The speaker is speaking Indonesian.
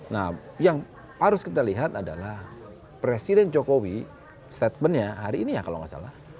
nah yang harus kita lihat adalah presiden jokowi statementnya hari ini ya kalau nggak salah